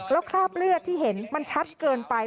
แล้วคราบเลือดที่เห็นมันชัดเกินไป